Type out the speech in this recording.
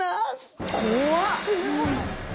怖っ！